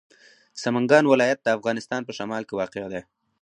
سمنګان ولایت د افغانستان په شمال کې واقع دی.